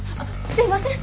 すいません